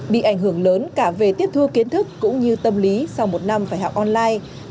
bị ảnh hưởng lớn cả về tiếp thu kiến thức cũng như tâm lý sau một năm phải học online